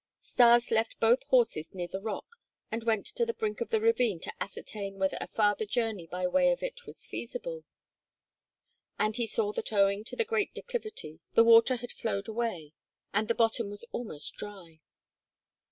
Stas left both horses near the rock and went to the brink of the ravine to ascertain whether a farther journey by way of it was feasible. And he saw that owing to the great declivity the water had flowed away and the bottom was almost dry.